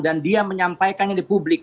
dan dia menyampaikannya di publik